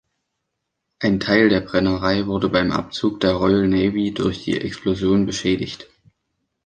Ein Teil der Brennerei wurde beim Abzug der Royal Navy durch eine Explosion beschädigt.